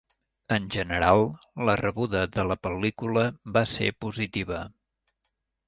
En general, la rebuda de la pel·lícula va ser positiva.